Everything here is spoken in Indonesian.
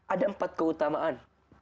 ada empat keutamaan